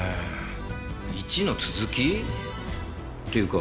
１の続き？っていうか